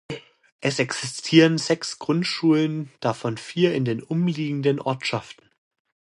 Es existieren sechs Grundschulen, davon vier in den umliegenden Ortschaften.